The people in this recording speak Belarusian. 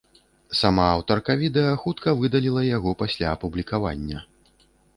Сама аўтарка відэа хутка выдаліла яго пасля апублікавання.